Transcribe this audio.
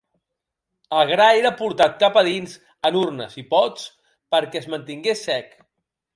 El gra era portat cap a dins en urnes i pots perquè es mantingués sec.